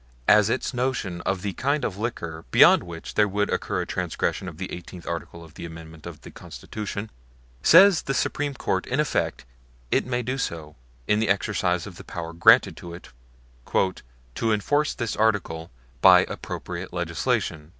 as its notion of the kind of liquor beyond which there would occur a transgression of the Eighteenth Article of the Amendments to the Constitution, says the Supreme Court in effect, it may do so in the exercise of the power granted to it "to enforce this Article by appropriate legislation."